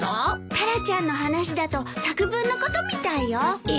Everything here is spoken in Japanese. タラちゃんの話だと作文のことみたいよ。え！